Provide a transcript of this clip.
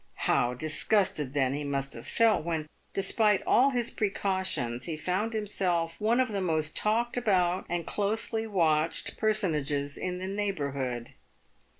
How disgusted, then, he must have felt when, despite all his precau tions, he found himself one of the most talked about and closely watched personages in the neighbourhood.